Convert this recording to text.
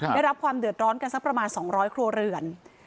ได้รับความเดือดร้อนกันสักประมาณ๒๐๐ครัวเรือน